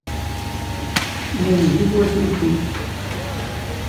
Meyyez i twacult-ik!